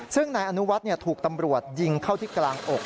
ซึ่งนายอนุวัฒน์ถูกตำรวจยิงเข้าที่กลางอก